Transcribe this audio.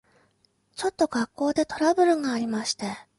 ちょっと学校でトラブルがありまして。